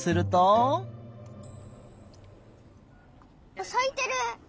あっさいてる！